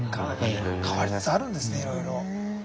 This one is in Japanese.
変わりつつあるんですねいろいろ。